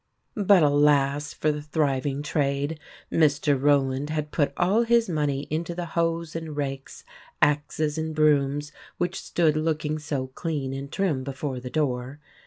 But, alas ! for the thriving trade. Mr. Rowland had put all his money into the hoes and rakes, axes and brooms, which stood look ing so clean and trim before the door.